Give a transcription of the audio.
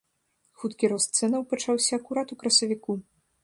Хуткі рост цэнаў пачаўся акурат у красавіку.